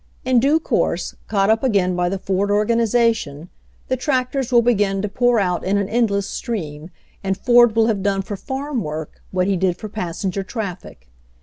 In due course, caught up again by the Ford organization, the tractors will begin to pour out in an endless stream and Ford will have done for farm work what he did for passenger traffic.